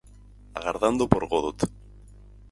Agardando por Godot.